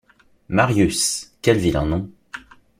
Marius! quel vilain nom !